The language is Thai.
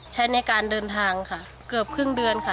ใช้ในการเดินทางค่ะเกือบครึ่งเดือนค่ะ